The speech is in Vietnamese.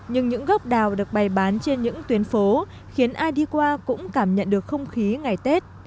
nhưng những gốc đào được bày bán trên những tuyến phố khiến ai đi qua cũng cảm nhận được không khí ngày tết